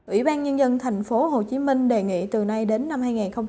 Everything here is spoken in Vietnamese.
ủy ban nhân dân tp hcm đề nghị từ nay đến năm hai nghìn hai mươi